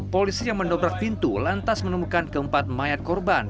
polisi yang mendobrak pintu lantas menemukan keempat mayat korban